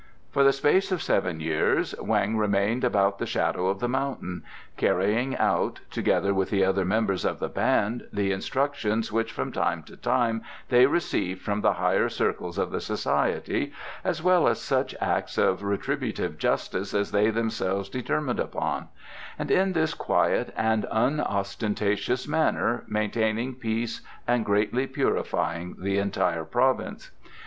For the space of seven years Weng remained about the shadow of the mountain, carrying out, together with the other members of the band, the instructions which from time to time they received from the higher circles of the Society, as well as such acts of retributive justice as they themselves determined upon, and in this quiet and unostentatious manner maintaining peace and greatly purifying the entire province.